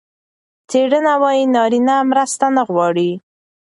څېړنه وايي نارینه مرسته نه غواړي.